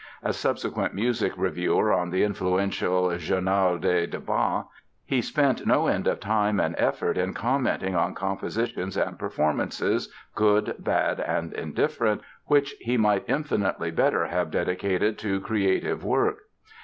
As subsequent music reviewer on the influential Journal des Débats he spent no end of time and effort in commenting on compositions and performances, good, bad and indifferent, which he might infinitely better have dedicated to creative work.